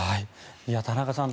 田中さん